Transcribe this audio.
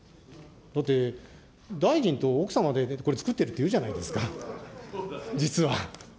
だって大臣と奥様でこれ、作ってるっていうじゃないですか、実は。